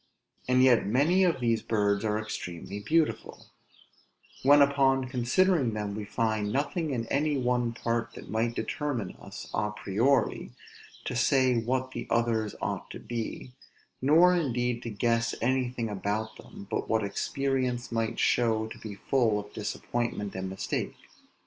and yet many of these birds are extremely beautiful; when upon considering them we find nothing in any one part that might determine us, à priori, to say what the others ought to be, nor indeed to guess anything about them, but what experience might show to be full of disappointment and mistake.